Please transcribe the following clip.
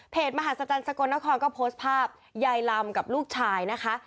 มหาศจรรย์สกลนครก็โพสต์ภาพยายลำกับลูกชายนะคะ